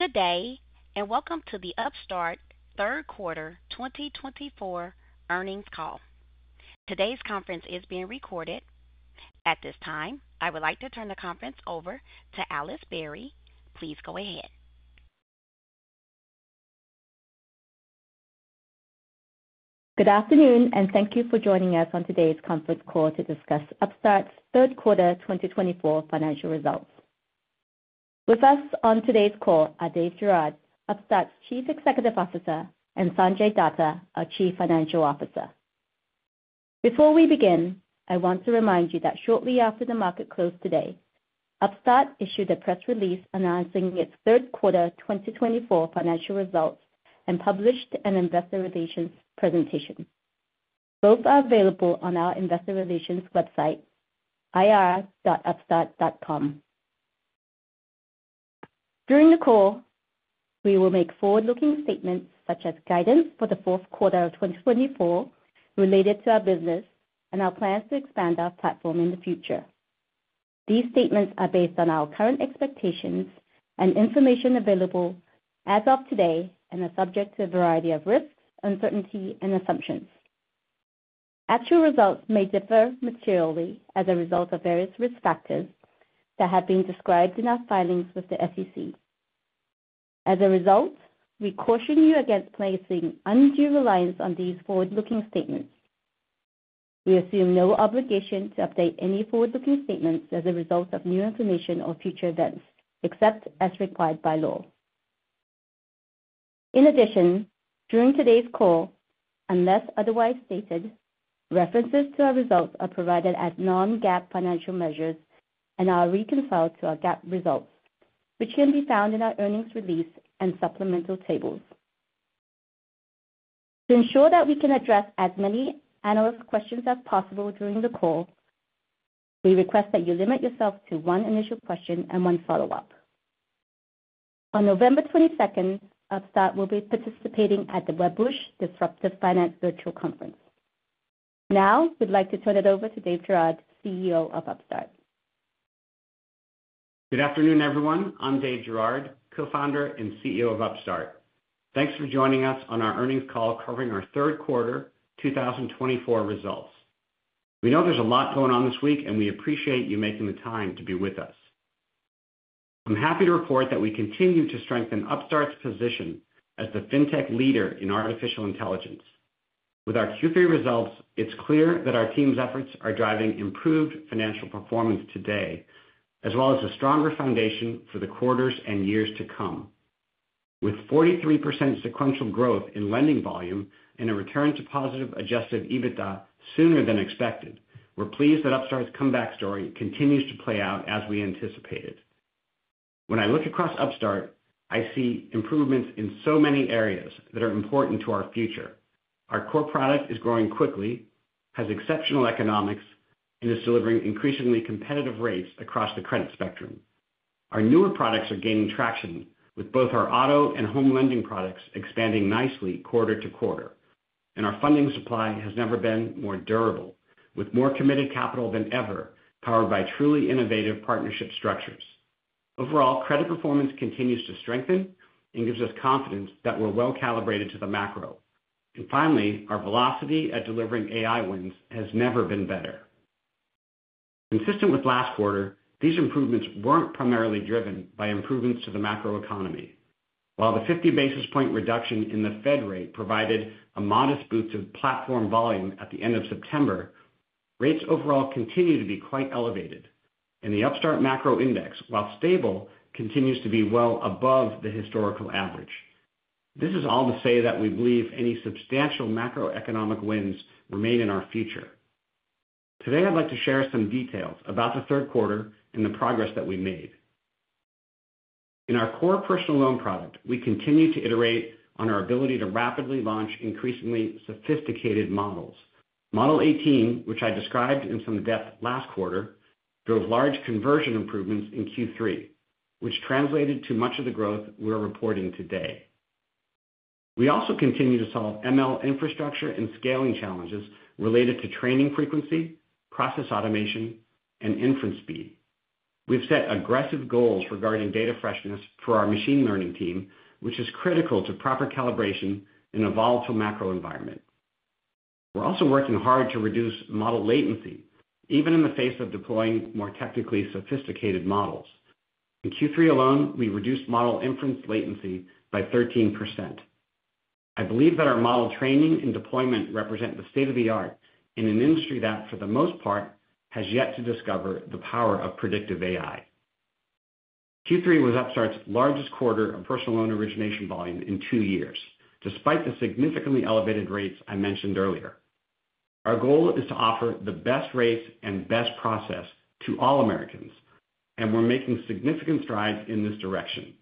Good day, and welcome to the Upstart third quarter 2024 earnings call. Today's conference is being recorded. At this time, I would like to turn the conference over to Alice Barry. Please go ahead. Good afternoon, and thank you for joining us on today's conference call to discuss Upstart's Q3 2024 financial results. With us on today's call are Dave Girouard, Upstart's Chief Executive Officer, and Sanjay Datta, our Chief Financial Officer. Before we begin, I want to remind you that shortly after the market closed today, Upstart issued a press release announcing its third quarter 2024 financial results and published an investor relations presentation. Both are available on our investor relations website, ir.upstart.com. During the call, we will make forward-looking statements such as guidance for the fourth quarter of 2024 related to our business and our plans to expand our platform in the future. These statements are based on our current expectations and information available as of today and are subject to a variety of risks, uncertainty, and assumptions. Actual results may differ materially as a result of various risk factors that have been described in our filings with the SEC. As a result, we caution you against placing undue reliance on these forward-looking statements. We assume no obligation to update any forward-looking statements as a result of new information or future events, except as required by law. In addition, during today's call, unless otherwise stated, references to our results are provided as non-GAAP financial measures and are reconciled to our GAAP results, which can be found in our earnings release and supplemental tables. To ensure that we can address as many analyst questions as possible during the call, we request that you limit yourself to one initial question and one follow-up. On November 22nd, Upstart will be participating at the Wedbush Disruptive Finance Virtual Conference. Now, we'd like to turn it over to Dave Girouard, CEO of Upstart. Good afternoon, everyone. I'm Dave Girouard, Co-Founder and CEO of Upstart. Thanks for joining us on our earnings call covering our Q3 2024 results. We know there's a lot going on this week, and we appreciate you making the time to be with us. I'm happy to report that we continue to strengthen Upstart's position as the fintech leader in artificial intelligence. With our third results, it's clear that our team's efforts are driving improved financial performance today, as well as a stronger foundation for the quarters and years to come. With 43% sequential growth in lending volume and a return to positive Adjusted EBITDA sooner than expected, we're pleased that Upstart's comeback story continues to play out as we anticipated. When I look across Upstart, I see improvements in so many areas that are important to our future. Our core product is growing quickly, has exceptional economics, and is delivering increasingly competitive rates across the credit spectrum. Our newer products are gaining traction, with both our auto and home lending products expanding nicely quarter to quarter, and our funding supply has never been more durable, with more committed capital than ever, powered by truly innovative partnership structures. Overall, credit performance continues to strengthen and gives us confidence that we're well calibrated to the macro. And finally, our velocity at delivering AI wins has never been better. Consistent with last quarter, these improvements weren't primarily driven by improvements to the macroeconomy. While the 50 basis points reduction in the Fed rate provided a modest boost to platform volume at the end of September, rates overall continue to be quite elevated, and the Upstart Macro Index, while stable, continues to be well above the historical average. This is all to say that we believe any substantial macroeconomic wins remain in our future. Today, I'd like to share some details about the third quarter and the progress that we made. In our core personal loan product, we continue to iterate on our ability to rapidly launch increasingly sophisticated models. Model 18, which I described in some depth last quarter, drove large conversion improvements in Q3, which translated to much of the growth we're reporting today. We also continue to solve ML infrastructure and scaling challenges related to training frequency, process automation, and inference speed. We've set aggressive goals regarding data freshness for our machine learning team, which is critical to proper calibration in a volatile macro environment. We're also working hard to reduce model latency, even in the face of deploying more technically sophisticated models. In Q3 alone, we reduced model inference latency by 13%. I believe that our model training and deployment represent the state of the art in an industry that, for the most part, has yet to discover the power of predictive AI. Q3 was Upstart's largest quarter of personal loan origination volume in two years, despite the significantly elevated rates I mentioned earlier. Our goal is to offer the best rates and best process to all Americans, and we're making significant strides in this direction.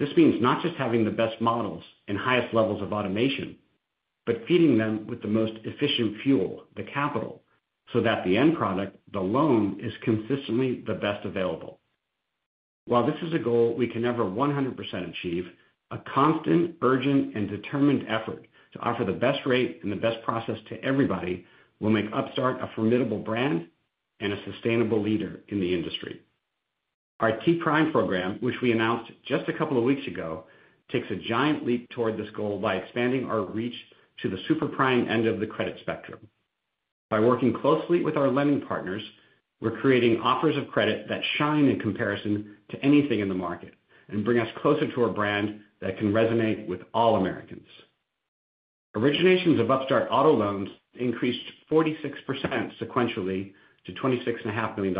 This means not just having the best models and highest levels of automation, but feeding them with the most efficient fuel, the capital, so that the end product, the loan, is consistently the best available. While this is a goal we can never 100% achieve, a constant, urgent, and determined effort to offer the best rate and the best process to everybody will make Upstart a formidable brand and a sustainable leader in the industry. Our T-Prime program, which we announced just a couple of weeks ago, takes a giant leap toward this goal by expanding our reach to the super-prime end of the credit spectrum. By working closely with our lending partners, we're creating offers of credit that shine in comparison to anything in the market and bring us closer to a brand that can resonate with all Americans. Originations of Upstart auto loans increased 46% sequentially to $26.5 million.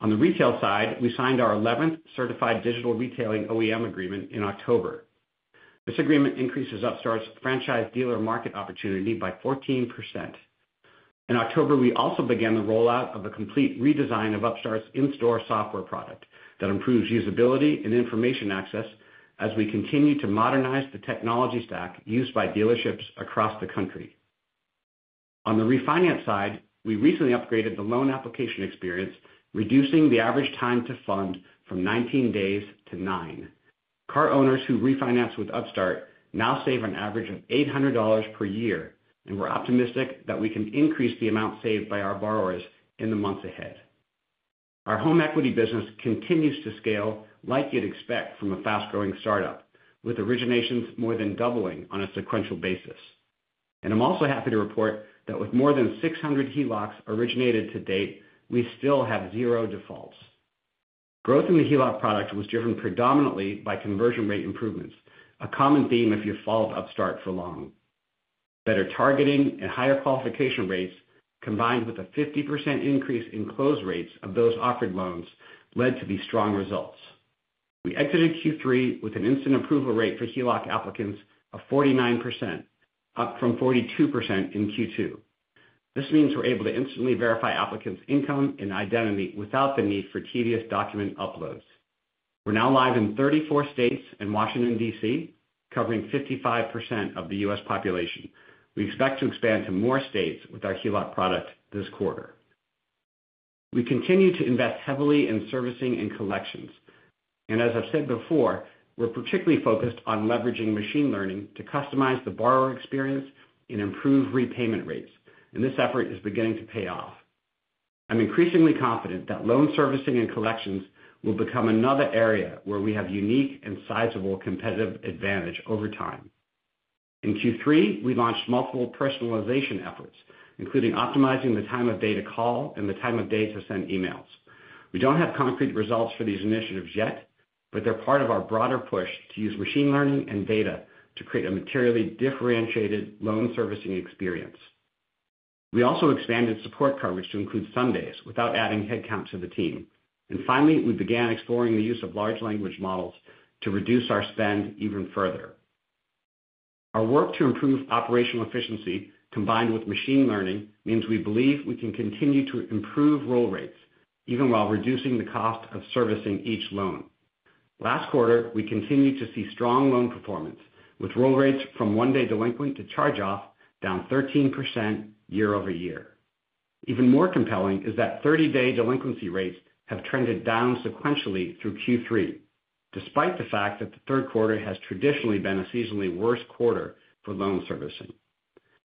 On the retail side, we signed our 11th certified digital retailing OEM agreement in October. This agreement increases Upstart's franchise dealer market opportunity by 14%. In October, we also began the rollout of a complete redesign of Upstart's in-store software product that improves usability and information access as we continue to modernize the technology stack used by dealerships across the country. On the refinance side, we recently upgraded the loan application experience, reducing the average time to fund from 19 days to nine. Car owners who refinance with Upstart now save an average of $800 per year, and we're optimistic that we can increase the amount saved by our borrowers in the months ahead. Our home equity business continues to scale like you'd expect from a fast-growing startup, with originations more than doubling on a sequential basis. And I'm also happy to report that with more than 600 HELOCs originated to date, we still have zero defaults. Growth in the HELOC product was driven predominantly by conversion rate improvements, a common theme if you've followed Upstart for long. Better targeting and higher qualification rates, combined with a 50% increase in close rates of those offered loans, led to these strong results. We exited Q3 with an instant approval rate for HELOC applicants of 49%, up from 42% in Q2. This means we're able to instantly verify applicants' income and identity without the need for tedious document uploads. We're now live in 34 states and Washington, D.C., covering 55% of the U.S. population. We expect to expand to more states with our HELOC product this quarter. We continue to invest heavily in servicing and collections. And as I've said before, we're particularly focused on leveraging machine learning to customize the borrower experience and improve repayment rates. And this effort is beginning to pay off. I'm increasingly confident that loan servicing and collections will become another area where we have unique and sizable competitive advantage over time. In Q3, we launched multiple personalization efforts, including optimizing the time of day to call and the time of day to send emails. We don't have concrete results for these initiatives yet, but they're part of our broader push to use machine learning and data to create a materially differentiated loan servicing experience. We also expanded support coverage to include Sundays without adding headcount to the team. And finally, we began exploring the use of large language models to reduce our spend even further. Our work to improve operational efficiency, combined with machine learning, means we believe we can continue to improve roll rates, even while reducing the cost of servicing each loan. Last quarter, we continued to see strong loan performance, with roll rates from one-day delinquent to charge-off down 13% year-over-year. Even more compelling is that 30-day delinquency rates have trended down sequentially through Q3, despite the fact that the Q3 has traditionally been a seasonally worse quarter for loan servicing.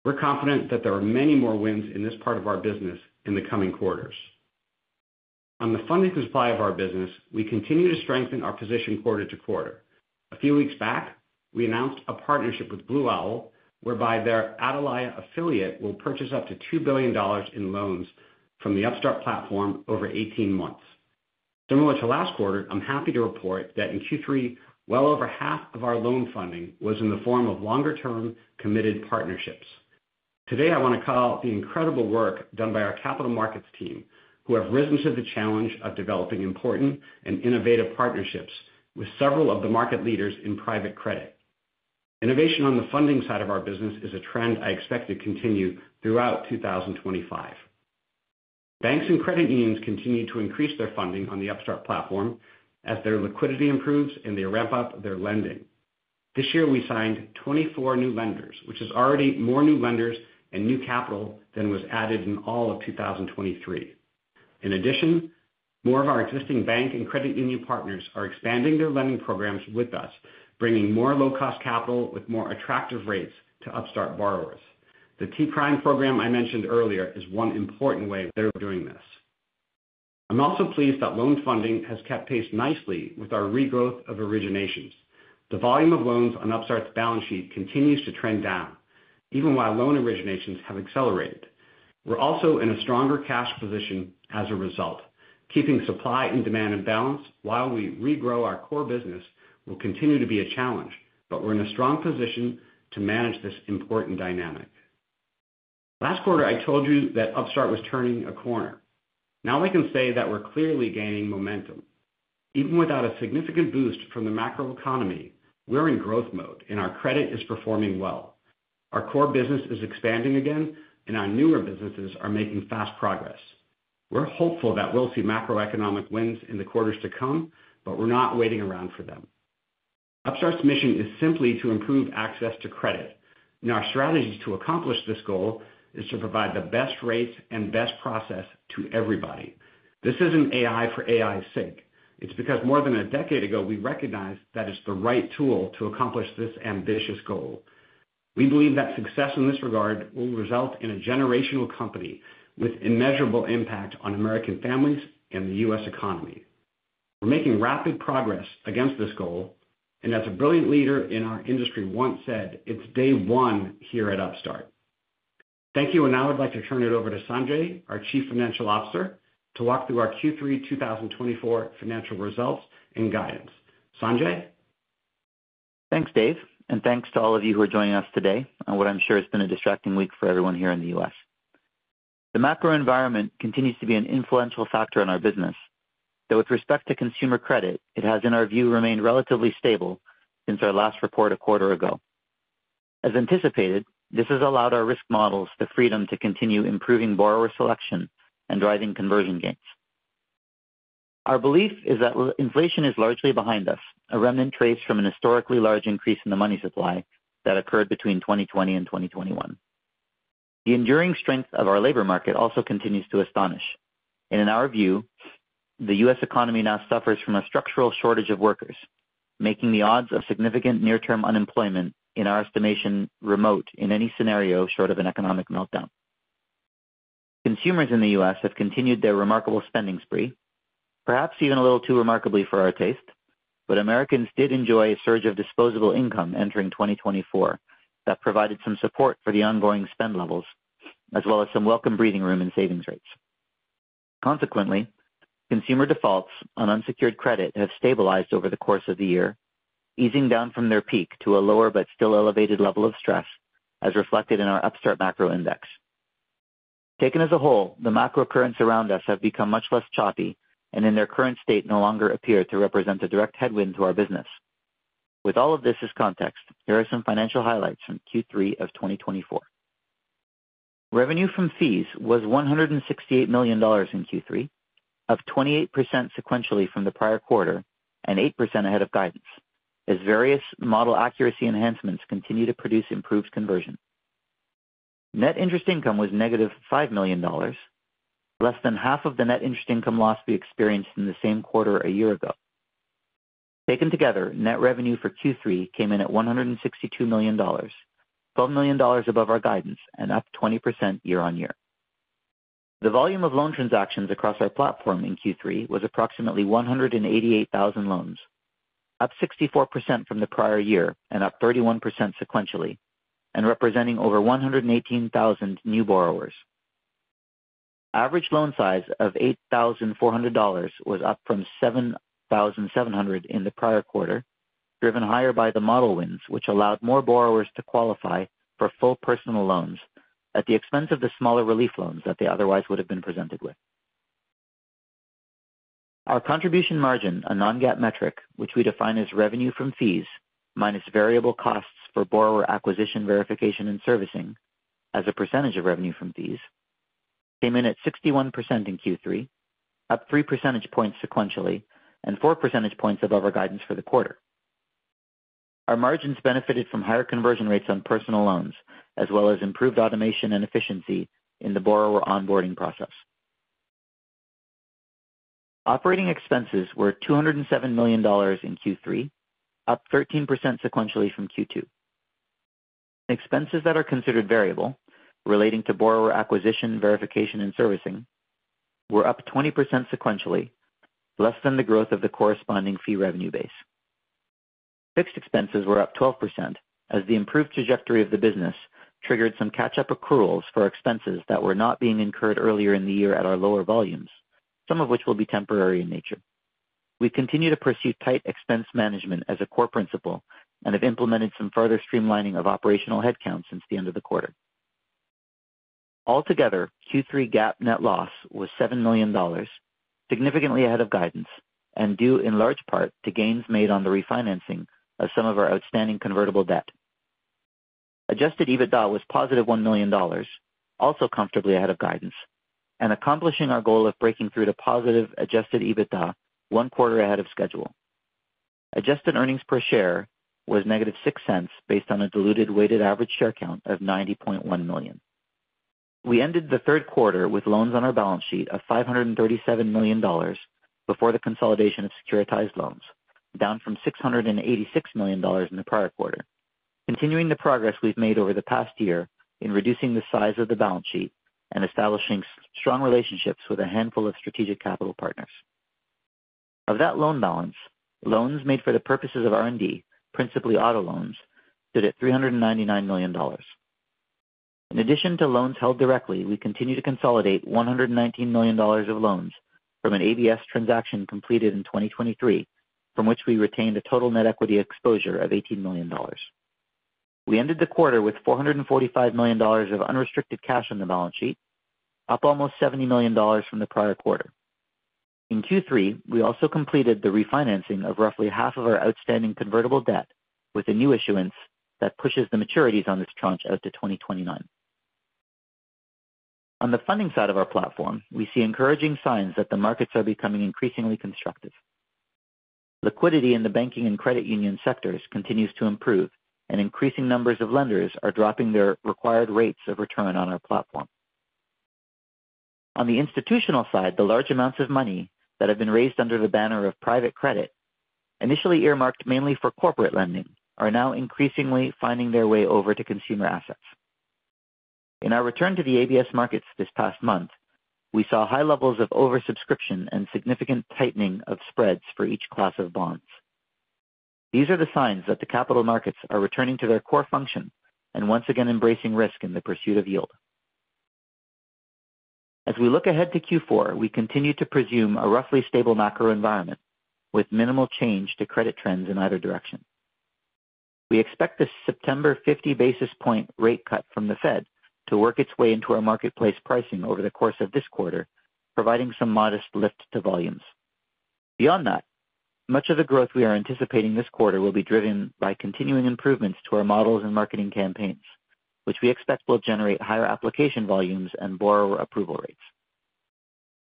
We're confident that there are many more wins in this part of our business in the coming quarters. On the funding supply of our business, we continue to strengthen our position quarter to quarter. A few weeks back, we announced a partnership with Blue Owl, whereby their Atalaya affiliate will purchase up to $2 billion in loans from the Upstart platform over 18 months. Similar to last quarter, I'm happy to report that in Q3, well over half of our loan funding was in the form of longer-term committed partnerships. Today, I want to call out the incredible work done by our capital markets team, who have risen to the challenge of developing important and innovative partnerships with several of the market leaders in private credit. Innovation on the funding side of our business is a trend I expect to continue throughout 2025. Banks and credit unions continue to increase their funding on the Upstart platform as their liquidity improves and they ramp up their lending. This year, we signed 24 new lenders, which is already more new lenders and new capital than was added in all of 2023. In addition, more of our existing bank and credit union partners are expanding their lending programs with us, bringing more low-cost capital with more attractive rates to Upstart borrowers. The T-Prime program I mentioned earlier is one important way they're doing this. I'm also pleased that loan funding has kept pace nicely with our regrowth of originations. The volume of loans on Upstart's balance sheet continues to trend down, even while loan originations have accelerated. We're also in a stronger cash position as a result. Keeping supply and demand in balance while we regrow our core business will continue to be a challenge, but we're in a strong position to manage this important dynamic. Last quarter, I told you that Upstart was turning a corner. Now we can say that we're clearly gaining momentum. Even without a significant boost from the macroeconomy, we're in growth mode, and our credit is performing well. Our core business is expanding again, and our newer businesses are making fast progress. We're hopeful that we'll see macroeconomic wins in the quarters to come, but we're not waiting around for them. Upstart's mission is simply to improve access to credit, and our strategy to accomplish this goal is to provide the best rates and best process to everybody. This isn't AI for AI's sake. It's because more than a decade ago, we recognized that it's the right tool to accomplish this ambitious goal. We believe that success in this regard will result in a generational company with immeasurable impact on American families and the U.S. economy. We're making rapid progress against this goal, and as a brilliant leader in our industry once said, "It's day one here at Upstart." Thank you, and now I'd like to turn it over to Sanjay, our Chief Financial Officer, to walk through our Q3 2024 financial results and guidance. Sanjay? Thanks, Dave, and thanks to all of you who are joining us today on what I'm sure has been a distracting week for everyone here in the U.S. The macro environment continues to be an influential factor in our business, though with respect to consumer credit, it has, in our view, remained relatively stable since our last report a quarter ago. As anticipated, this has allowed our risk models the freedom to continue improving borrower selection and driving conversion gains. Our belief is that inflation is largely behind us, a remnant trace from an historically large increase in the money supply that occurred between 2020 and 2021. The enduring strength of our labor market also continues to astonish. And in our view, the U.S. economy now suffers from a structural shortage of workers, making the odds of significant near-term unemployment, in our estimation, remote in any scenario short of an economic meltdown. Consumers of U.S. have continued their remarkable spending spree, perhaps even a little too remarkably for our taste, but Americans did enjoy a surge of disposable income entering 2024 that provided some support for the ongoing spend levels, as well as some welcome breathing room in savings rates. Consequently, consumer defaults on unsecured credit have stabilized over the course of the year, easing down from their peak to a lower but still elevated level of stress, as reflected in our Upstart Macro Index. Taken as a whole, the macro currents around us have become much less choppy and, in their current state, no longer appear to represent a direct headwind to our business. With all of this as context, here are some financial highlights from Q3 of 2024. Revenue from fees was $168 million in Q3, up 28% sequentially from the prior quarter and 8% ahead of guidance, as various model accuracy enhancements continue to produce improved conversion. Net interest income was -$5 million, less than half of the net interest income loss we experienced in the same quarter a year ago. Taken together, net revenue for Q3 came in at $162 million, $12 million above our guidance and up 20% year-on-year. The volume of loan transactions across our platform in Q3 was approximately 188,000 loans, up 64% from the prior year and up 31% sequentially, and representing over 118,000 new borrowers. Average loan size of $8,400 was up from $7,700 in the prior quarter, driven higher by the model wins, which allowed more borrowers to qualify for full personal loans at the expense of the smaller relief loans that they otherwise would have been presented with. Our contribution margin, a non-GAAP metric, which we define as revenue from fees minus variable costs for borrower acquisition, verification, and servicing as a percentage of revenue from fees, came in at 61% in Q3, up 3 percentage points sequentially and 4 percentage points above our guidance for the quarter. Our margins benefited from higher conversion rates on personal loans, as well as improved automation and efficiency in the borrower onboarding process. Operating expenses were $207 million in Q3, up 13% sequentially from Q2. Expenses that are considered variable, relating to borrower acquisition, verification, and servicing, were up 20% sequentially, less than the growth of the corresponding fee revenue base. Fixed expenses were up 12%, as the improved trajectory of the business triggered some catch-up accruals for expenses that were not being incurred earlier in the year at our lower volumes, some of which will be temporary in nature. We continue to pursue tight expense management as a core principle and have implemented some further streamlining of operational headcount since the end of the quarter. Altogether, Q3 GAAP net loss was $7 million, significantly ahead of guidance, and due in large part to gains made on the refinancing of some of our outstanding convertible debt. Adjusted EBITDA was +$1 million, also comfortably ahead of guidance, and accomplishing our goal of breaking through to positive adjusted EBITDA one quarter ahead of schedule. Adjusted earnings per share was -$0.06 based on a diluted weighted average share count of 90.1 million. We ended the third quarter with loans on our balance sheet of $537 million before the consolidation of securitized loans, down from $686 million in the prior quarter, continuing the progress we've made over the past year in reducing the size of the balance sheet and establishing strong relationships with a handful of strategic capital partners. Of that loan balance, loans made for the purposes of R&D, principally auto loans, stood at $399 million. In addition to loans held directly, we continue to consolidate $119 million of loans from an ABS transaction completed in 2023, from which we retained a total net equity exposure of $18 million. We ended the quarter with $445 million of unrestricted cash on the balance sheet, up almost $70 million from the prior quarter. In Q3, we also completed the refinancing of roughly half of our outstanding convertible debt with a new issuance that pushes the maturities on this tranche out to 2029. On the funding side of our platform, we see encouraging signs that the markets are becoming increasingly constructive. Liquidity in the banking and credit union sectors continues to improve, and increasing numbers of lenders are dropping their required rates of return on our platform. On the institutional side, the large amounts of money that have been raised under the banner of private credit, initially earmarked mainly for corporate lending, are now increasingly finding their way over to consumer assets. In our return to the ABS markets this past month, we saw high levels of oversubscription and significant tightening of spreads for each class of bonds. These are the signs that the capital markets are returning to their core function and once again embracing risk in the pursuit of yield. As we look ahead to Q4, we continue to presume a roughly stable macro environment with minimal change to credit trends in either direction. We expect the September 50 basis point rate cut from the Fed to work its way into our marketplace pricing over the course of this quarter, providing some modest lift to volumes. Beyond that, much of the growth we are anticipating this quarter will be driven by continuing improvements to our models and marketing campaigns, which we expect will generate higher application volumes and borrower approval rates.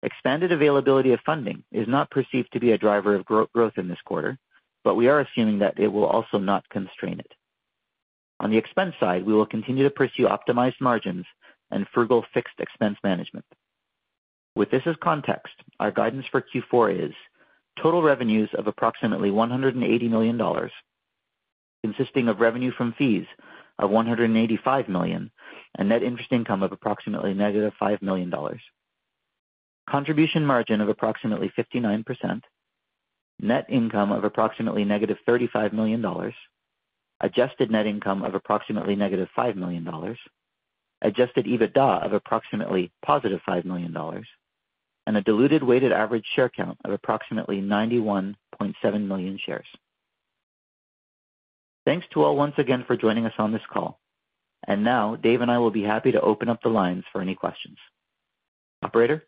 Expanded availability of funding is not perceived to be a driver of growth in this quarter, but we are assuming that it will also not constrain it. On the expense side, we will continue to pursue optimized margins and frugal fixed expense management. With this as context, our guidance for Q4 is total revenues of approximately $180 million, consisting of revenue from fees of $185 million and net interest income of approximately -$5 million, contribution margin of approximately 59%, net income of approximately -$35 million, adjusted net income of approximately -$5 million, adjusted EBITDA of approximately +$5 million, and a diluted weighted average share count of approximately 91.7 million shares. Thanks to all once again for joining us on this call. And now, Dave and I will be happy to open up the lines for any questions. Operator?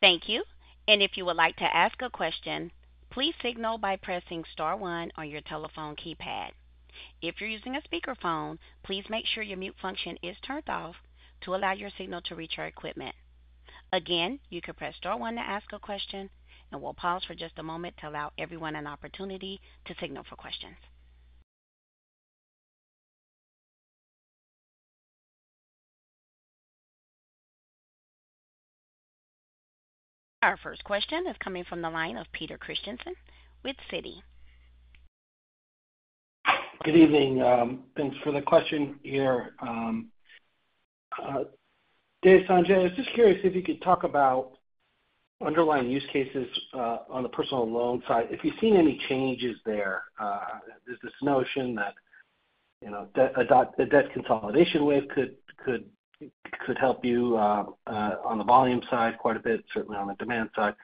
Thank you. And if you would like to ask a question, please signal by pressing star one on your telephone keypad. If you're using a speakerphone, please make sure your mute function is turned off to allow your signal to reach our equipment. Again, you can press star one to ask a question, and we'll pause for just a moment to allow everyone an opportunity to signal for questions. Our first question is coming from the line of Peter Christiansen with Citi. Good evening. Thanks for the question here. Dave, Sanjay, I was just curious if you could talk about underlying use cases on the personal loan side. If you've seen any changes there, there's this notion that a debt consolidation wave could help you on the volume side quite a bit, certainly on the demand side.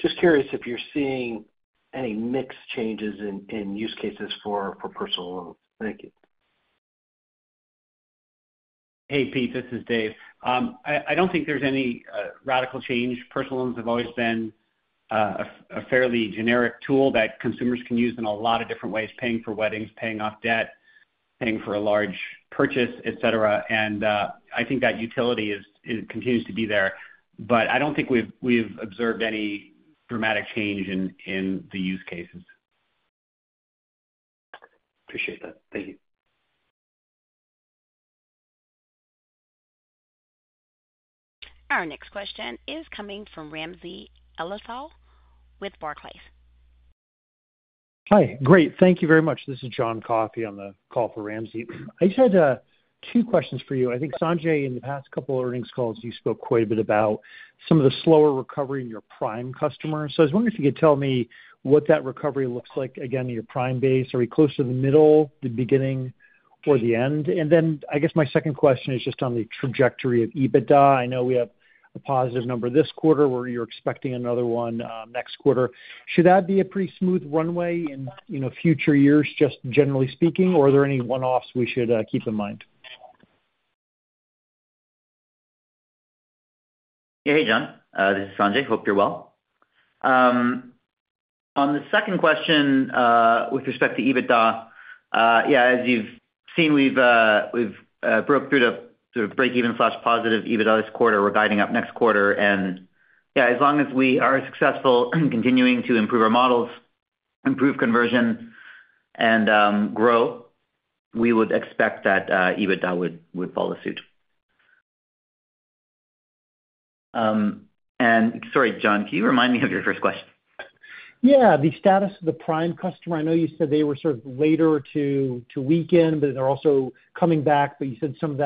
Just curious if you're seeing any mixed changes in use cases for personal loans. Thank you. Hey, Pete. This is Dave. I don't think there's any radical change. Personal loans have always been a fairly generic tool that consumers can use in a lot of different ways: paying for weddings, paying off debt, paying for a large purchase, etc. And I think that utility continues to be there. But I don't think we've observed any dramatic change in the use cases. Appreciate that. Thank you. Our next question is coming from Ramsey El-Assal with Barclays. Hi. Great. Thank you very much. This is John Coffey on the call for Ramsey. I just had two questions for you. I think, Sanjay, in the past couple of earnings calls, you spoke quite a bit about some of the slower recovery in your prime customers. So I was wondering if you could tell me what that recovery looks like again in your prime base. Are we close to the middle, the beginning, or the end? Then I guess my second question is just on the trajectory of EBITDA. I know we have a positive number this quarter where you're expecting another one next quarter. Should that be a pretty smooth runway in future years, just generally speaking, or are there any one-offs we should keep in mind? Hey, John. This is Sanjay. Hope you're well. On the second question with respect to EBITDA, yeah, as you've seen, we've broke through to sort of break-even/positive EBITDA this quarter. We're guiding up next quarter. And yeah, as long as we are successful in continuing to improve our models, improve conversion, and grow, we would expect that EBITDA would follow suit. And sorry, John, can you remind me of your first question? Yeah. The status of the prime customer. I know you said they were sort of later to weaken, but they're also coming back. But you said some of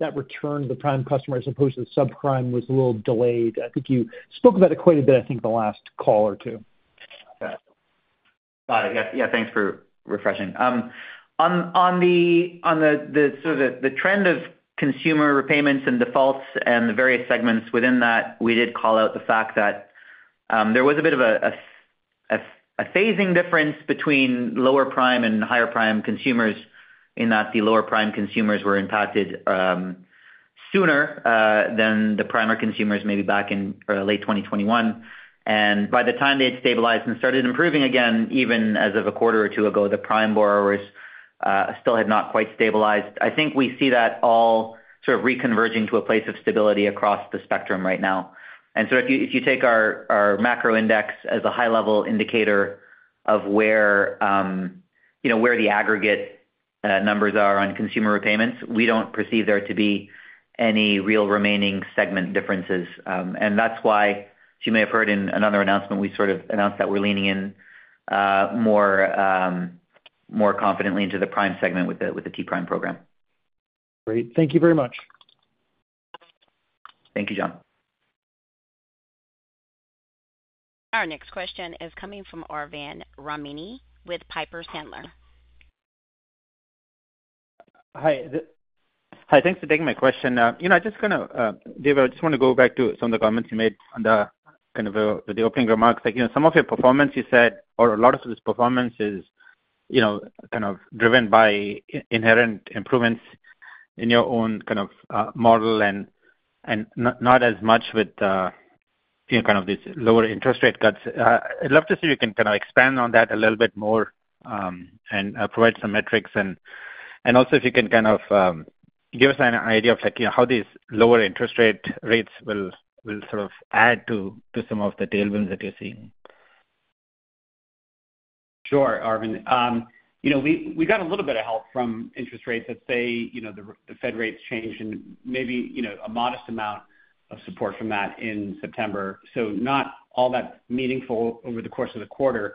that return to the prime customer as opposed to the subprime was a little delayed. I think you spoke about it quite a bit, the last call or two. Got it. Yeah. Thanks for refreshing. On the sort of trend of consumer repayments and defaults and the various segments within that, we did call out the fact that there was a bit of a phasing difference between lower prime and higher prime consumers in that the lower prime consumers were impacted sooner than the prime consumers, maybe back in late 2021. And by the time they had stabilized and started improving again, even as of a quarter or two ago, the prime borrowers still had not quite stabilized. I think we see that all sort of reconverging to a place of stability across the spectrum right now. And so if you take our macro index as a high-level indicator of where the aggregate numbers are on consumer repayments, we don't perceive there to be any real remaining segment differences. And that's why, as you may have heard in another announcement, we sort of announced that we're leaning in more confidently into the prime segment with the T-Prime program. Great. Thank you very much. Thank you, John. Our next question is coming from Arvind Ramnani with Piper Sandler. Hi. Thanks for taking my question. I just want to, Dave, I just want to go back to some of the comments you made on the kind of the opening remarks. Some of your performance, you said, or a lot of this performance is kind of driven by inherent improvements in your own kind of model and not as much with kind of these lower interest rate cuts. I'd love to see if you can kind of expand on that a little bit more and provide some metrics. And also, if you can kind of give us an idea of how these lower interest rates will sort of add to some of the tailwinds that you're seeing. Sure, Arvind. We got a little bit of help from interest rates that, say, the Fed rates changed in maybe a modest amount of support from that in September. So not all that meaningful over the course of the quarter.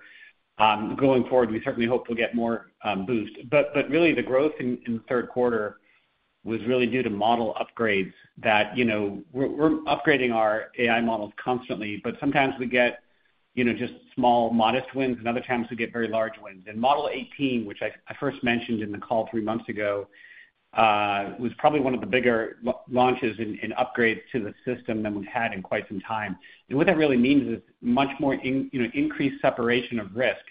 Going forward, we certainly hope we'll get more boost. But really, the growth in the third quarter was really due to model upgrades that we're upgrading our AI models constantly, but sometimes we get just small, modest wins, and other times we get very large wins. Model 18, which I first mentioned in the call three months ago, was probably one of the bigger launches and upgrades to the system than we've had in quite some time. What that really means is much more increased separation of risk,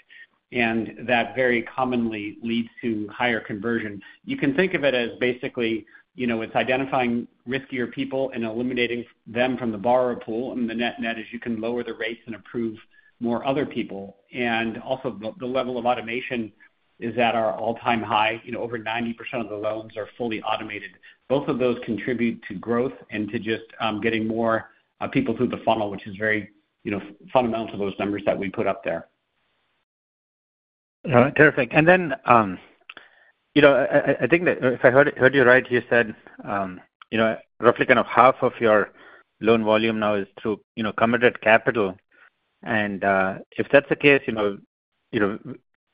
and that very commonly leads to higher conversion. You can think of it as basically it's identifying riskier people and eliminating them from the borrower pool, and the net is you can lower the rates and approve more other people. Also, the level of automation is at our all-time high. Over 90% of the loans are fully automated. Both of those contribute to growth and to just getting more people through the funnel, which is very fundamental to those numbers that we put up there. All right. Terrific. And then I think that if I heard you right, you said roughly kind of half of your loan volume now is through committed capital. And if that's the case,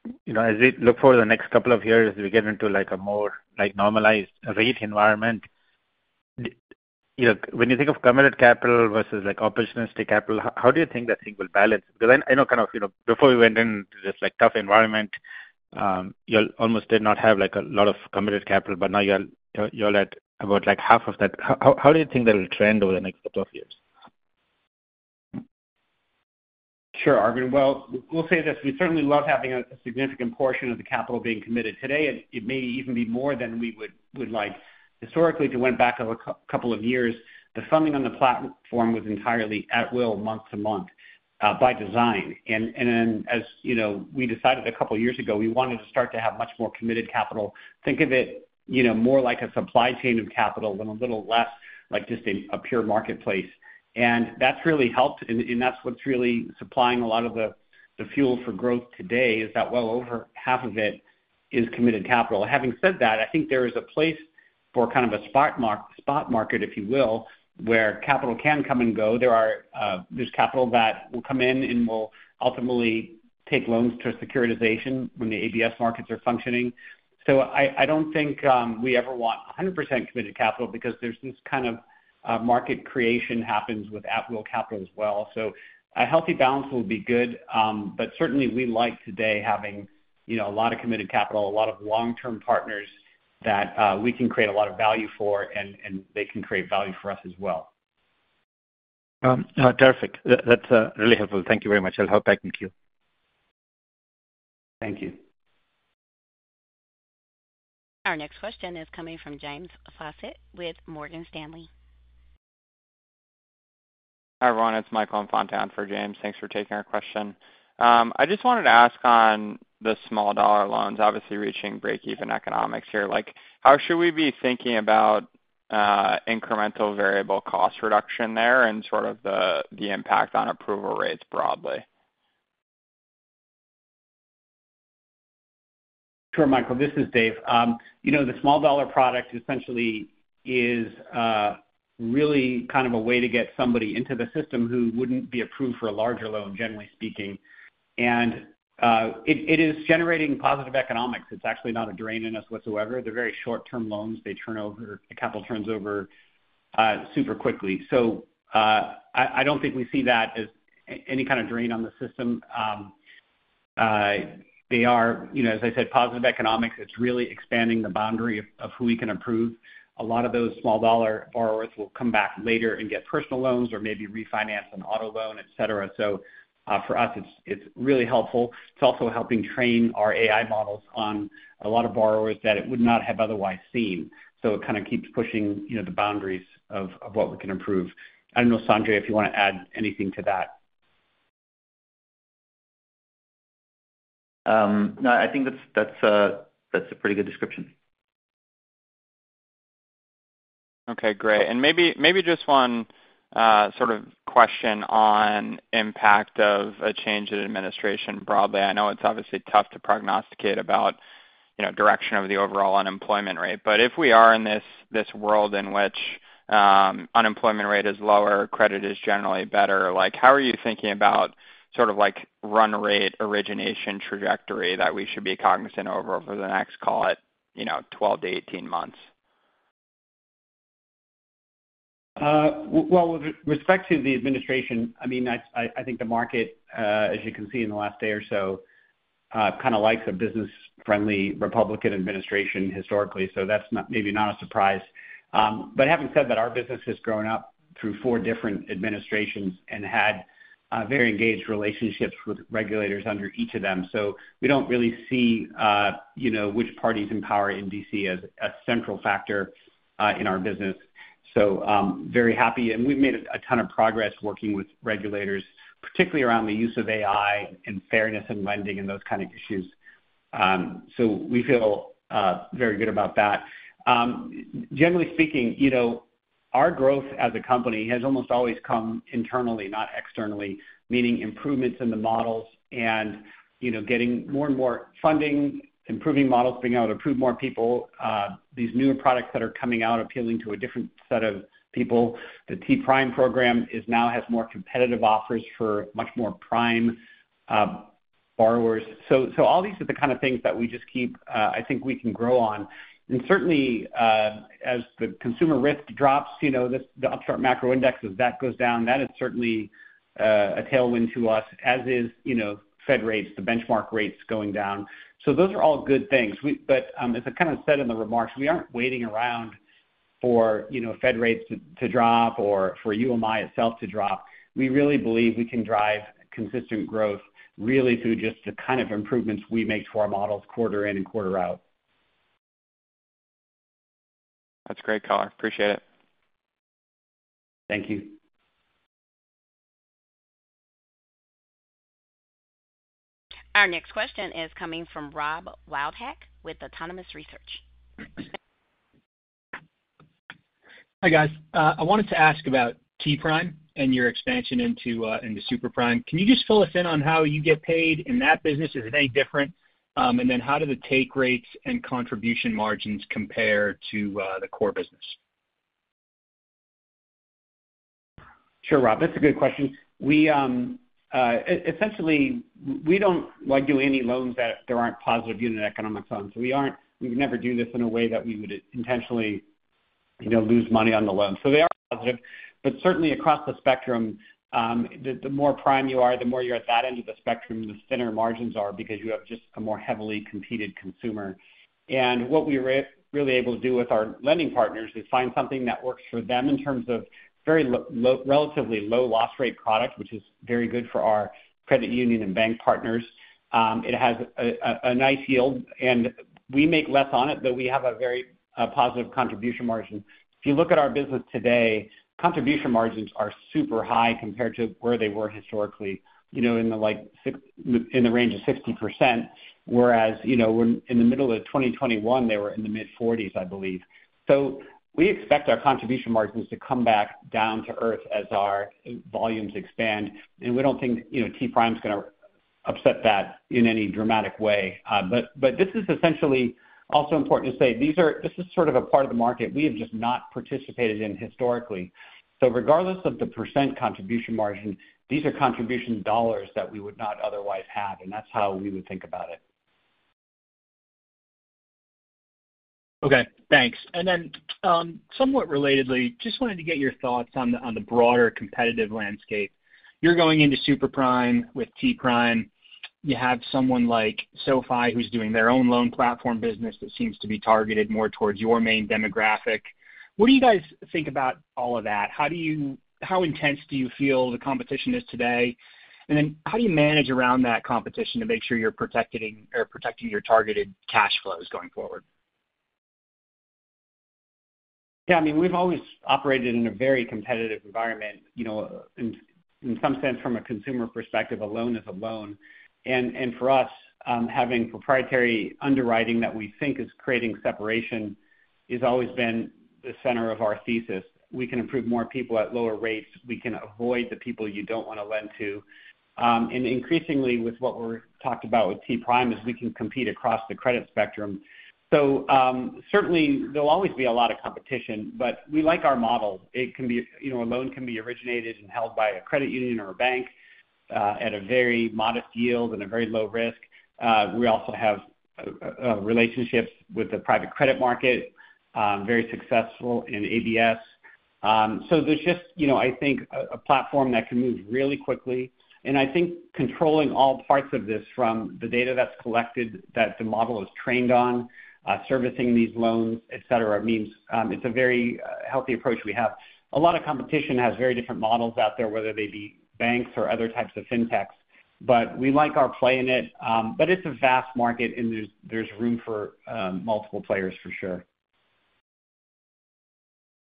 as we look forward to the next couple of years, we get into a more normalized rate environment. When you think of committed capital versus opportunistic capital, how do you think that thing will balance? Because I know kind of before we went into this tough environment, you almost did not have a lot of committed capital, but now you're at about half of that. How do you think that will trend over the next couple of years? Sure, Arvind. Well, we'll say this. We certainly love having a significant portion of the capital being committed today. It may even be more than we would like. Historically, if you went back a couple of years, the funding on the platform was entirely at will month to month by design. And then as we decided a couple of years ago, we wanted to start to have much more committed capital. Think of it more like a supply chain of capital than a little less like just a pure marketplace. And that's really helped, and that's what's really supplying a lot of the fuel for growth today, is that well over half of it is committed capital. Having said that, I think there is a place for kind of a spot market, if you will, where capital can come and go. There's capital that will come in and will ultimately take loans to securitization when the ABS markets are functioning. So I don't think we ever want 100% committed capital because there's this kind of market creation that happens with at-will capital as well. So a healthy balance will be good, but certainly we like today having a lot of committed capital, a lot of long-term partners that we can create a lot of value for, and they can create value for us as well. Terrific. That's really helpful. Thank you very much. I'll hop back in queue. Thank you. Our next question is coming from James Faucette with Morgan Stanley. Hi, Ron. It's Michael Infante for James. Thanks for taking our question. I just wanted to ask on the small-dollar loans, obviously reaching break-even economics here, how should we be thinking about incremental variable cost reduction there and sort of the impact on approval rates broadly? Sure, Michael. This is Dave. The small-dollar product essentially is really kind of a way to get somebody into the system who wouldn't be approved for a larger loan, generally speaking, and it is generating positive economics. It's actually not a drain on us whatsoever. They're very short-term loans. The capital turns over super quickly, so I don't think we see that as any kind of drain on the system. They are, as I said, positive economics. It's really expanding the boundary of who we can approve. A lot of those small-dollar borrowers will come back later and get personal loans or maybe refinance an auto loan, etc., so for us, it's really helpful. It's also helping train our AI models on a lot of borrowers that it would not have otherwise seen, so it kind of keeps pushing the boundaries of what we can improve. I don't know, Sanjay, if you want to add anything to that. No, I think that's a pretty good description. Okay. Great. And maybe just one sort of question on the impact of a change in administration broadly. I know it's obviously tough to prognosticate about the direction of the overall unemployment rate. But if we are in this world in which the unemployment rate is lower, credit is generally better, how are you thinking about sort of run rate origination trajectory that we should be cognizant of over the next, call it, 12-18 months? Well, with respect to the administration, I mean, I think the market, as you can see in the last day or so, kind of likes a business-friendly Republican administration historically. So that's maybe not a surprise. But having said that, our business has grown up through four different administrations and had very engaged relationships with regulators under each of them. So we don't really see which parties in power in D.C. as a central factor in our business. So very happy. And we've made a ton of progress working with regulators, particularly around the use of AI and fairness in lending and those kind of issues. So we feel very good about that. Generally speaking, our growth as a company has almost always come internally, not externally, meaning improvements in the models and getting more and more funding, improving models, being able to approve more people, these newer products that are coming out appealing to a different set of people. The T-Prime program now has more competitive offers for much more prime borrowers. So all these are the kind of things that we just keep, I think, we can grow on. And certainly, as the consumer risk drops, the Upstart Macro Index, as that goes down, that is certainly a tailwind to us, as is Fed rates, the benchmark rates going down. So those are all good things. But as I kind of said in the remarks, we aren't waiting around for Fed rates to drop or for UMI itself to drop. We really believe we can drive consistent growth really through just the kind of improvements we make to our models quarter in and quarter out. That's great, call. Appreciate it. Thank you. Our next question is coming from Rob Wildhack with Autonomous Research. Hi, guys. I wanted to ask about T-Prime and your expansion into super-prime. Can you just fill us in on how you get paid in that business? Is it any different? And then how do the take rates and contribution margins compare to the core business? Sure, Rob. That's a good question. Essentially, we don't do any loans that there aren't positive unit economics on. So we never do this in a way that we would intentionally lose money on the loan. So they are positive. But certainly, across the spectrum, the more prime you are, the more you're at that end of the spectrum, the thinner margins are because you have just a more heavily competed consumer. And what we were really able to do with our lending partners is find something that works for them in terms of a relatively low loss rate product, which is very good for our credit union and bank partners. It has a nice yield. And we make less on it, but we have a very positive contribution margin. If you look at our business today, contribution margins are super high compared to where they were historically in the range of 60%, whereas in the middle of 2021, they were in the mid-40s%, I believe. So we expect our contribution margins to come back down to earth as our volumes expand. And we don't think T-Prime is going to upset that in any dramatic way. But this is essentially also important to say. This is sort of a part of the market we have just not participated in historically. So regardless of the percent contribution margin, these are contribution dollars that we would not otherwise have. And that's how we would think about it. Okay. Thanks. And then somewhat relatedly, just wanted to get your thoughts on the broader competitive landscape. You're going into super prime with T-Prime. You have someone like SoFi who's doing their own loan platform business that seems to be targeted more towards your main demographic. What do you guys think about all of that? How intense do you feel the competition is today? And then how do you manage around that competition to make sure you're protecting your targeted cash flows going forward? Yeah. I mean, we've always operated in a very competitive environment. In some sense, from a consumer perspective, a loan is a loan. And for us, having proprietary underwriting that we think is creating separation has always been the center of our thesis. We can improve more people at lower rates. We can avoid the people you don't want to lend to. And increasingly, with what we're talking about with T-Prime, is we can compete across the credit spectrum. So certainly, there'll always be a lot of competition, but we like our model. A loan can be originated and held by a credit union or a bank at a very modest yield and a very low risk. We also have relationships with the private credit market, very successful in ABS. So there's just, I think, a platform that can move really quickly. And I think controlling all parts of this from the data that's collected, that the model is trained on, servicing these loans, etc., means it's a very healthy approach we have. A lot of competition has very different models out there, whether they be banks or other types of fintechs. But we like our play in it. But it's a vast market, and there's room for multiple players, for sure.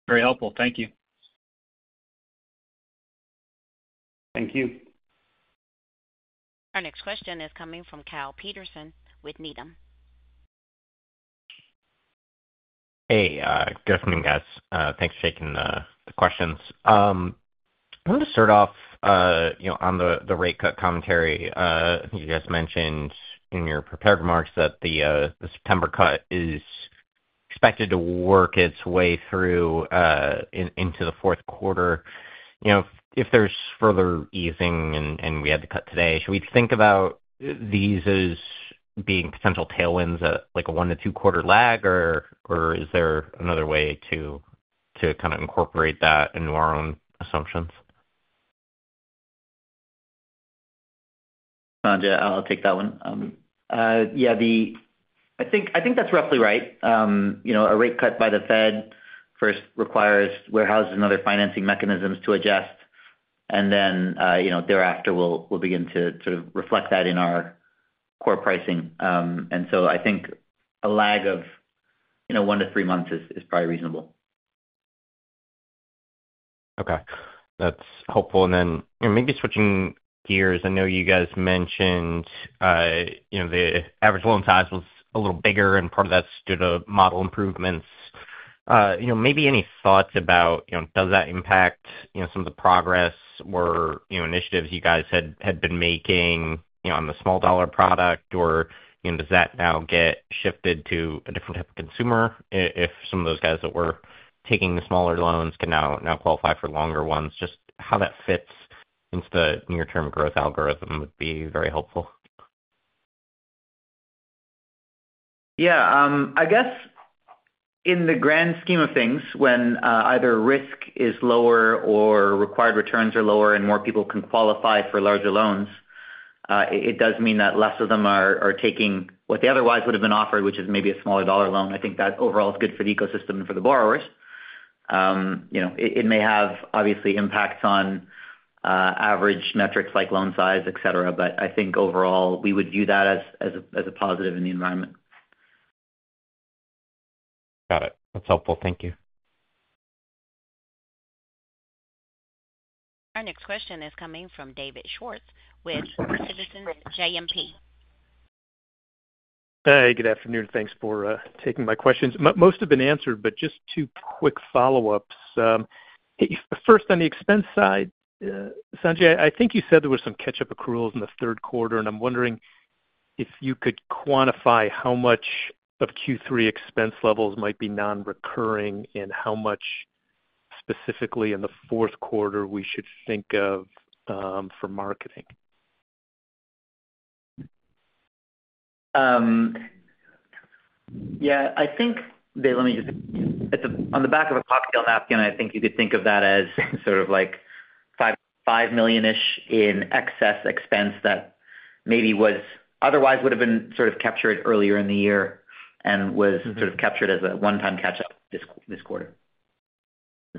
Very helpful. Thank you. Thank you. Our next question is coming from Kyle Peterson with Needham. Hey, good afternoon, guys. Thanks for taking the questions. I want to start off on the rate cut commentary. I think you just mentioned in your prepared remarks that the September cut is expected to work its way through into the fourth quarter. If there's further easing and we had to cut today, should we think about these as being potential tailwinds at a one- to two-quarter lag, or is there another way to kind of incorporate that into our own assumptions? Thanks, Sanjay. I'll take that one. Yeah. I think that's roughly right. A rate cut by the Fed first requires warehouses and other financing mechanisms to adjust. Then thereafter, we'll begin to sort of reflect that in our core pricing. So I think a lag of one to three months is probably reasonable. Okay. That's helpful. And then maybe switching gears, I know you guys mentioned the average loan size was a little bigger, and part of that due to model improvements. Maybe any thoughts about does that impact some of the progress or initiatives you guys had been making on the small-dollar product, or does that now get shifted to a different type of consumer if some of those guys that were taking the smaller loans can now qualify for larger ones? Just how that fits into the near-term growth algorithm would be very helpful. Yeah. I guess in the grand scheme of things, when either risk is lower or required returns are lower and more people can qualify for larger loans, it does mean that less of them are taking what they otherwise would have been offered, which is maybe a smaller dollar loan. I think that overall is good for the ecosystem and for the borrowers. It may have, obviously, impacts on average metrics like loan size, etc., but I think overall, we would view that as a positive in the environment. Got it. That's helpful. Thank you. Our next question is coming from David Scharf with Citizens JMP. Hey, good afternoon. Thanks for taking my questions. Most have been answered, but just two quick follow-ups. First, on the expense side, Sanjay, I think you said there were some catch-up accruals in the third quarter, and I'm wondering if you could quantify how much of Q3 expense levels might be non-recurring and how much specifically in the fourth quarter we should think of for marketing. Yeah. I think, Dave, let me just on the back of a cocktail napkin, I think you could think of that as sort of like 5 million-ish in excess expense that maybe otherwise would have been sort of captured earlier in the year and was sort of captured as a one-time catch-up this quarter.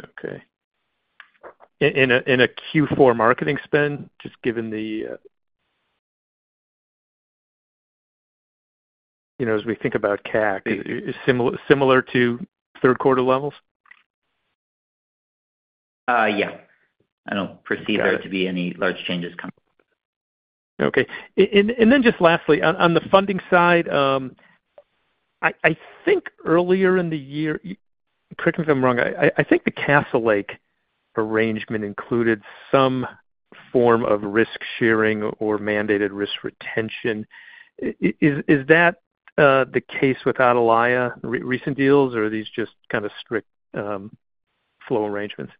Okay. In a Q4 marketing spend, just given the as we think about CAC, similar to third-quarter levels? Yeah. I don't perceive there to be any large changes coming. Okay. And then just lastly, on the funding side, I think earlier in the year, correct me if I'm wrong, I think the Castlelake arrangement included some form of risk sharing or mandated risk retention. Is that the case with Atalaya, recent deals, or are these just kind of strict flow arrangements?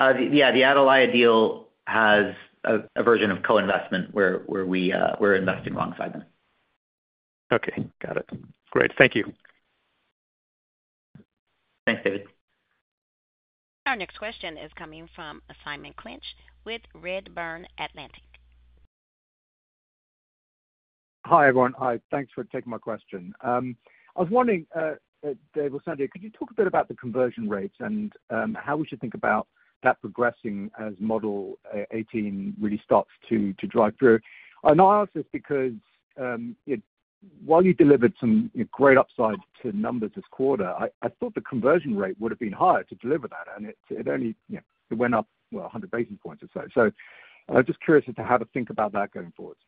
Yeah. The Atalaya deal has a version of co-investment where we're investing alongside them. Okay. Got it. Great. Thank you. Thanks, David. Our next question is coming from Simon Clinch with Redburn Atlantic. Hi, everyone. Thanks for taking my question. I was wondering, Dave or Sanjay, could you talk a bit about the conversion rates and how we should think about that progressing as Model 18 really starts to drive through? And I ask this because while you delivered some great upside to numbers this quarter, I thought the conversion rate would have been higher to deliver that. And it only went up, well, 100 basis points or so. So I'm just curious as to how to think about that going forward.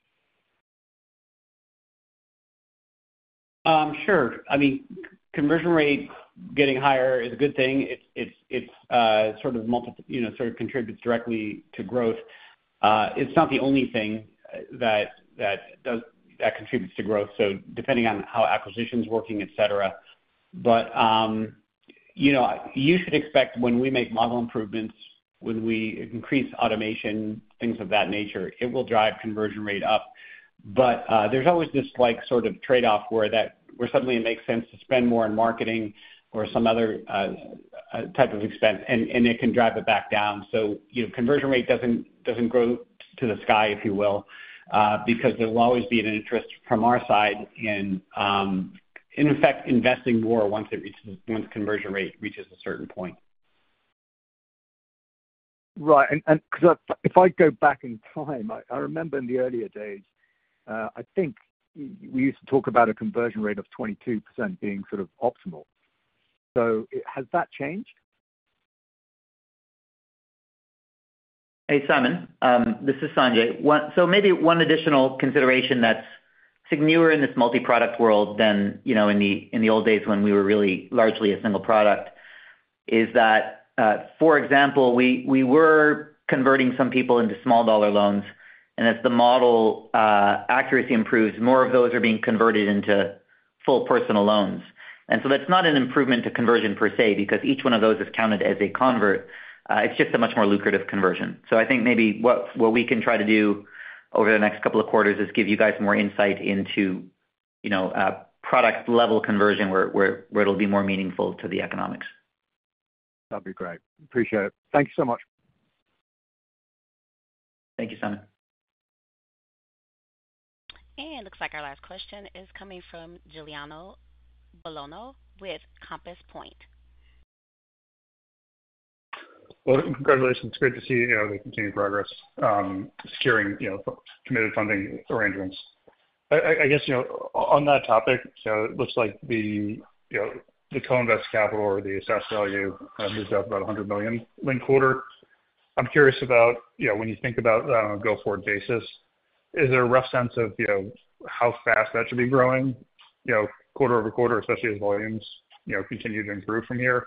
Sure. I mean, conversion rate getting higher is a good thing. It sort of contributes directly to growth. It's not the only thing that contributes to growth, so depending on how acquisitions are working, etc. But you should expect when we make model improvements, when we increase automation, things of that nature, it will drive conversion rate up. But there's always this sort of trade-off where suddenly it makes sense to spend more on marketing or some other type of expense, and it can drive it back down. So conversion rate doesn't go to the sky, if you will, because there will always be an interest from our side in effect investing more once conversion rate reaches a certain point. Right. And if I go back in time, I remember in the earlier days, I think we used to talk about a conversion rate of 22% being sort of optimal. So has that changed? Hey, Simon. This is Sanjay. So maybe one additional consideration that's newer in this multi-product world than in the old days when we were really largely a single product is that, for example, we were converting some people into small-dollar loans. And as the model accuracy improves, more of those are being converted into full personal loans. And so that's not an improvement to conversion per se because each one of those is counted as a convert. It's just a much more lucrative conversion. So I think maybe what we can try to do over the next couple of quarters is give you guys more insight into product-level conversion where it'll be more meaningful to the economics. That'd be great. Appreciate it. Thank you so much. Thank you, Simon. And it looks like our last question is coming from Giuliano Bologna with Compass Point. Well, congratulations. It's great to see the continued progress securing committed funding arrangements. I guess on that topic, it looks like the co-invest capital or the assessed value moved up about $100 million in quarter. I'm curious about when you think about a go-forward basis, is there a rough sense of how fast that should be growing quarter over quarter, especially as volumes continue to improve from here?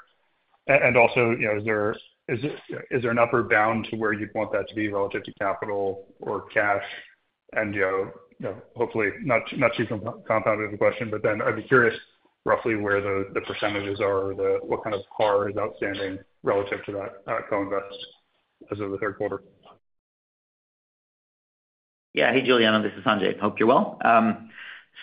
And also, is there an upper bound to where you'd want that to be relative to capital or cash? And hopefully, not too compounded of a question, but then I'd be curious roughly where the percentages are or what kind of par is outstanding relative to that co-invest as of the third quarter. Yeah. Hey, Giuliano. This is Sanjay. Hope you're well.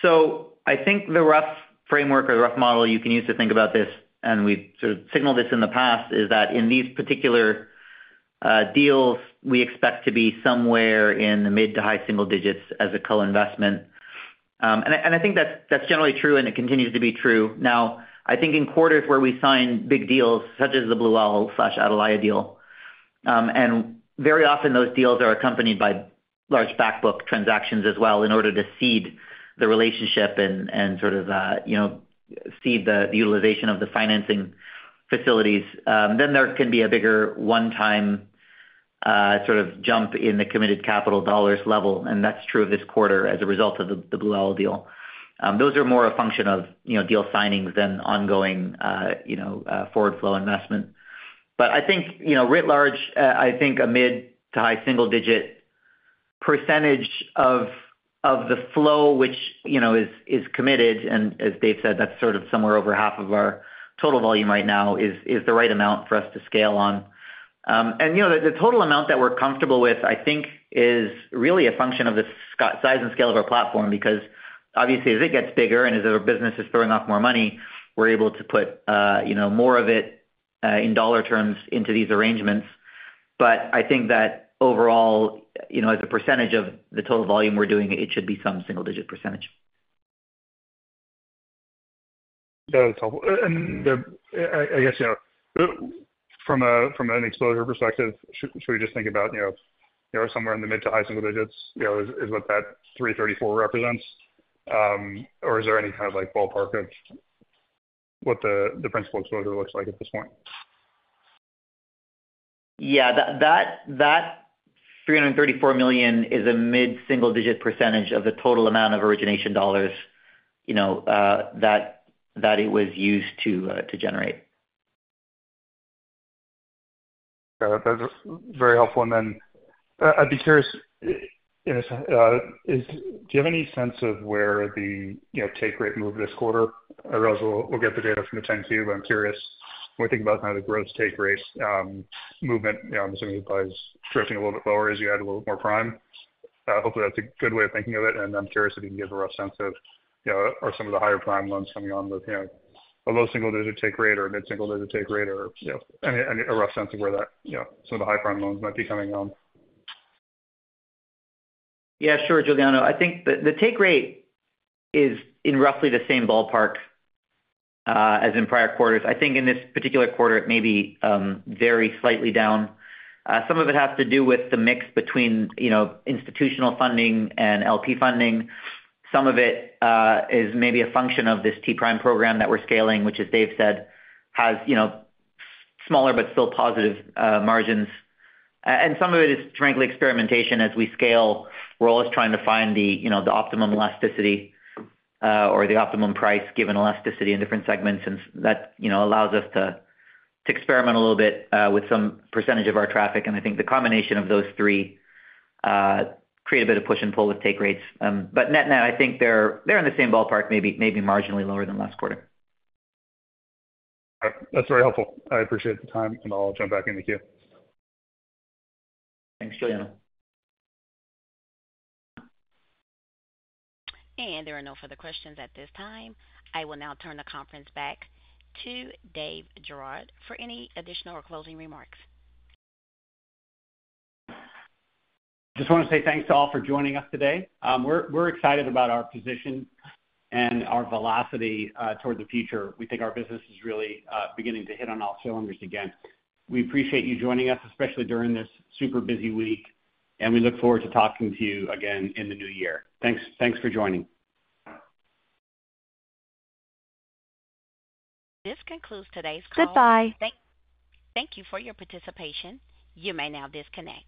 So I think the rough framework or the rough model you can use to think about this, and we've sort of signaled this in the past, is that in these particular deals, we expect to be somewhere in the mid to high single digits as a co-investment. And I think that's generally true, and it continues to be true. Now, I think in quarters where we sign big deals, such as the Blue Owl/Atalaya deal, and very often those deals are accompanied by large back book transactions as well in order to seed the relationship and sort of seed the utilization of the financing facilities, then there can be a bigger one-time sort of jump in the committed capital dollars level. And that's true of this quarter as a result of the Blue Owl deal. Those are more a function of deal signings than ongoing forward flow investment. But I think writ large, I think a mid- to high single-digit percentage of the flow which is committed, and as Dave said, that's sort of somewhere over half of our total volume right now, is the right amount for us to scale on. And the total amount that we're comfortable with, I think, is really a function of the size and scale of our platform because, obviously, as it gets bigger and as our business is throwing off more money, we're able to put more of it in dollar terms into these arrangements. But I think that overall, as a percentage of the total volume we're doing, it should be some single-digit percentage. That is helpful. And I guess from an exposure perspective, should we just think about somewhere in the mid- to high single digits is what that $334 million represents? Or is there any kind of ballpark of what the principal exposure looks like at this point? Yeah. That $334 million is a mid single-digit percentage of the total amount of origination dollars that it was used to generate. That's very helpful. And then I'd be curious, do you have any sense of where the take rate moved this quarter? Or else we'll get the data from the 10-Q, but I'm curious when we think about kind of the gross take rate movement. I'm assuming the price drifting a little bit lower as you add a little bit more prime. Hopefully, that's a good way of thinking of it. And I'm curious if you can give a rough sense of are some of the higher prime loans coming on with a low single-digit take rate or a mid single-digit take rate or a rough sense of where some of the high prime loans might be coming on? Yeah. Sure, Giuliano. I think the take rate is in roughly the same ballpark as in prior quarters. I think in this particular quarter, it may be very slightly down. Some of it has to do with the mix between institutional funding and LP funding. Some of it is maybe a function of this T-Prime program that we're scaling, which, as Dave said, has smaller but still positive margins. And some of it is, frankly, experimentation as we scale. We're always trying to find the optimum elasticity or the optimum price given elasticity in different segments, and that allows us to experiment a little bit with some percentage of our traffic. And I think the combination of those three creates a bit of push and pull with take rates. But net net, I think they're in the same ballpark, maybe marginally lower than last quarter. Okay. That's very helpful. I appreciate the time, and I'll jump back in the queue. Thanks, Giuliano. And there are no further questions at this time. I will now turn the conference back to Dave Girouard for any additional or closing remarks. Just want to say thanks to all for joining us today. We're excited about our position and our velocity toward the future. We think our business is really beginning to hit on all cylinders again. We appreciate you joining us, especially during this super busy week, and we look forward to talking to you again in the new year. Thanks for joining. This concludes today's call. Goodbye. Thank you for your participation. You may now disconnect.